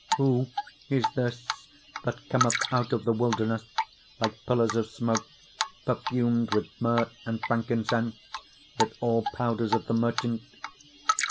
3:6 Who is this that cometh out of the wilderness like pillars of smoke, perfumed with myrrh and frankincense, with all powders of the merchant?